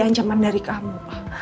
ancaman dari kamu